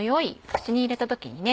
口に入れた時にね